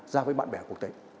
ra với bạn bè quốc tế